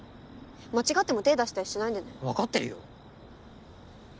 間違っても手出したりしないでね分かってるよ！